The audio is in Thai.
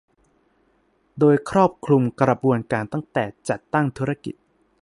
โดยครอบคลุมกระบวนการตั้งแต่จัดตั้งธุรกิจ